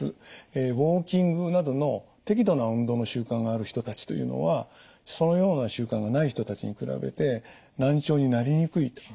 ウォーキングなどの適度な運動の習慣がある人たちというのはそのような習慣がない人たちに比べて難聴になりにくいというデータがあります。